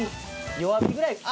弱火ぐらい。